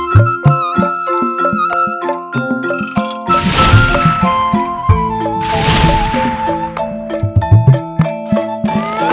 tapi kami hanya bisa bersama